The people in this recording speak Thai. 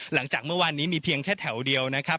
หลังจากเมื่อวานนี้มีเพียงแค่แถวเดียวนะครับ